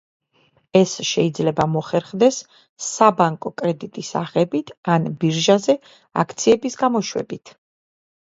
ეს შეიძლება მოხერხდეს საბანკო კრედიტის აღებით, ან ბირჟაზე აქციების გამოშვებით.